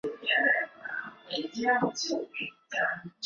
辽国宗室。